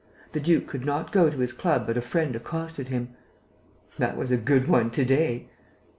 The duke could not go to his club but a friend accosted him: "That was a good one to day!"